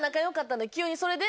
急にそれで。